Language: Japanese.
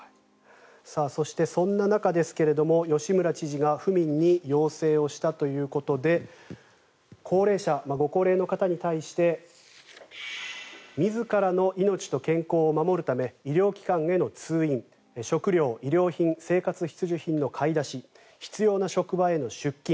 そして、そんな中ですが吉村知事が府民に要請をしたということで高齢者、ご高齢の方に対して自らの命と健康を守るため医療機関への通院食料、衣料品生活必需品の買い出し必要な職場への出勤